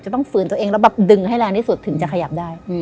ต้องฝืนตัวเองแล้วแบบดึงให้แรงที่สุดถึงจะขยับได้